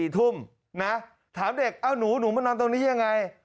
๔ทุ่มนะถามเด็กเอ้าหนูมานอนตรงนี้ยังไง